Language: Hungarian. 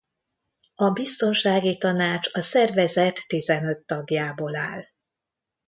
A Biztonsági Tanács a Szervezet tizenöt tagjából áll.